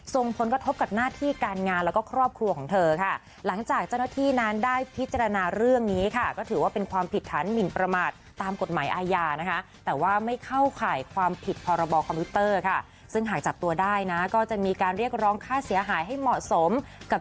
ทรงพ้นกระทบกับหน้าที่การงานแล้วก็ครอบครัวของเธอค่ะ